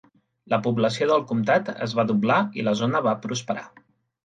La població del comtat es va doblar i la zona va prosperar.